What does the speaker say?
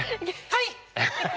はい！